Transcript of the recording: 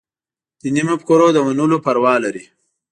دیني مفکورو د منلو پروا لري.